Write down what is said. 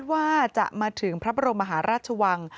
ว่าจะมาถึงพระบรมมหาราชวัง